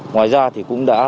ngoài ra thì cũng đã